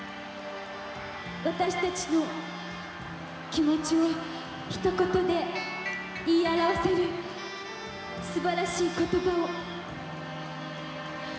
私たちの気持ちをひと言で言い表せるすばらしい言葉を本当に私たちは。